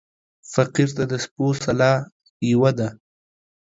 فقير ته د سپو سلا يوه ده.